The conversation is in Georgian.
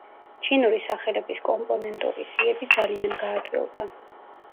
ჩინური სახელების კომპონენტური სიები ძალიან გაადვილდა.